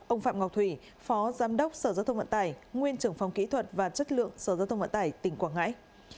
sáu ông phạm ngọc thủy phó giám đốc sở giáo thông vận tải nguyên trưởng phòng kỹ thuật và chất lượng sở giáo thông vận tải tỉnh quảng ngãi